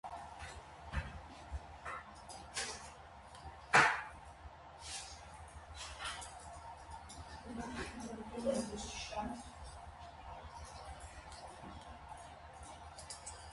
Նրան հարավից կից են երկու միանավ մատուռներ (այժմ՝ կիսավեր)։